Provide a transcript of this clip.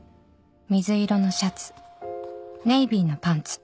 「水色のシャツネイビーのパンツ」